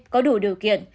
có đủ điều kiện